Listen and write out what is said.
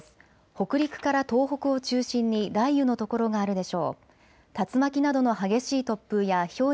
北陸から東北を中心に雷雨の所があるでしょう。